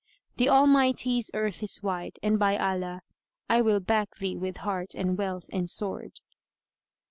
The Almighty's earth is wide, and by Allah, I will back thee with heart and wealth and sword."